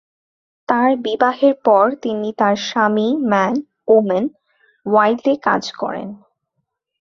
তার বিবাহের পর তিনি তার স্বামী ম্যান, ওম্যান, ওয়াইল্ডে কাজ করেন।